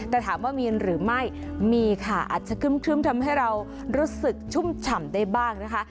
แต่ถามว่ามีหรือไม่มีค่ะอาจจะครึ่มทำให้เรารู้สึกชุ่มฉ่ำได้บ้างนะคะ